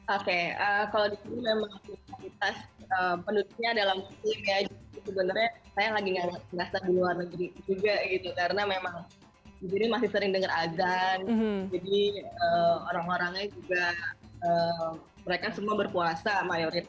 oke kalau di sini memang kita penutupnya dalam kursi